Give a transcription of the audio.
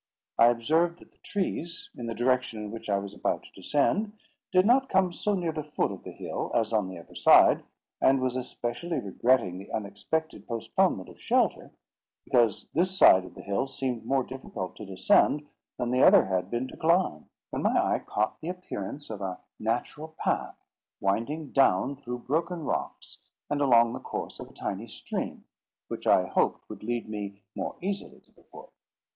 I observed that the trees, in the direction in which I was about to descend, did not come so near the foot of the hill as on the other side, and was especially regretting the unexpected postponement of shelter, because this side of the hill seemed more difficult to descend than the other had been to climb, when my eye caught the appearance of a natural path, winding down through broken rocks and along the course of a tiny stream, which I hoped would lead me more easily to the foot.